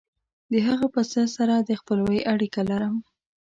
د هغه پسه سره د خپلوۍ اړیکه لرم.